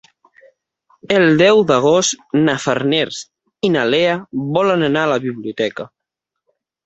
El deu d'agost na Farners i na Lea volen anar a la biblioteca.